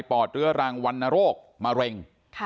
ปอดเรื้อรางวันโรคมะเร็ง